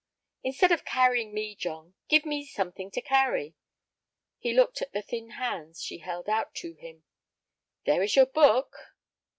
"Instead of carrying me, John, give me something to carry." He looked at the thin hands she held out to him. "There is your book."